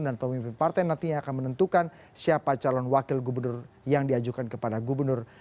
dan pemimpin partai nantinya akan menentukan siapa calon wakil gubernur yang diajukan kepada gubernur